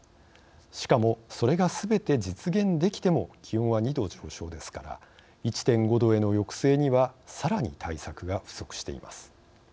しかもそれがすべて実現できても気温は２℃上昇ですから１．５℃への抑制にはさらに対策が不足しています。